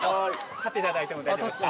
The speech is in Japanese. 立っていただいても大丈夫ですか？